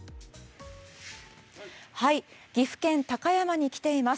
岐阜県・高山に来ています。